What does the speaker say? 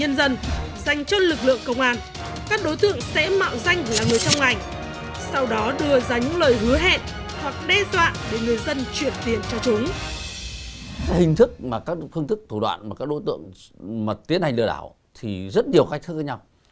hình thức và các phương thức thủ đoạn mà các đối tượng mà tiến hành lừa đảo thì rất nhiều khác khác với nhau